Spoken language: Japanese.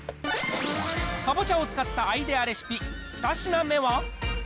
かぼちゃを使ったアイデアレシピ、２品目は。